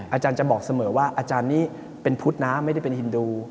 อาจารย์จะบอกเสมอว่าอาจารย์นี้เป็นพุทธนะไม่ได้เป็นฮินดู